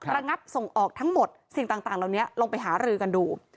ระงับส่งออกทั้งหมดสิ่งต่างเหล่านี้ลงไปหารือกันดู